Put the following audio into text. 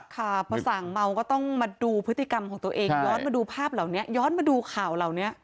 ค่ะพอสั่งเมาก็ต้องมาดูพฤติกรรมของตัวเองย้อนมาดูภาพเหล่านี้ย้อนมาดูข่าวเหล่านี้